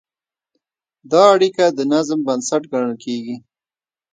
دا اړیکه د نظم بنسټ ګڼل کېږي.